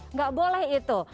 nggak boleh itu